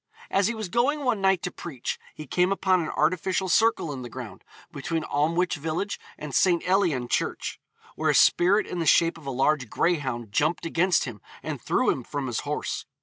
' As he was going one night to preach, he came upon an artificial circle in the ground, between Amlwch village and St. Elian Church, where a spirit in the shape of a large greyhound jumped against him and threw him from his horse.